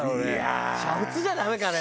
煮沸じゃダメかね？